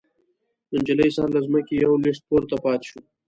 د نجلۍ سر له ځمکې يوه لوېشت پورته پاتې شو.